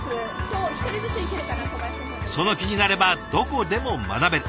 その気になればどこでも学べる。